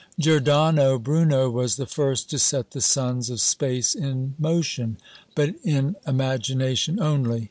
Giordano Bruno was the first to set the suns of space in motion; but in imagination only.